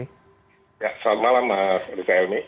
selamat malam pak elmi